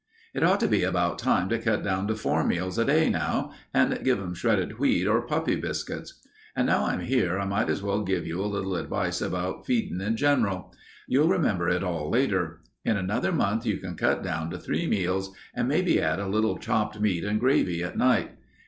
"It ought to be about time to cut down to four meals a day now, and give 'em shredded wheat or puppy biscuits. And now I'm here, I might as well give you a little advice about feedin' in gen'ral. You'll remember it all later. In another month you can cut down to three meals and maybe add a little chopped meat and gravy at night.